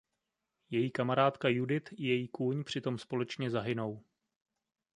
Její kamarádka Judith i její kůň při tom společně zahynou.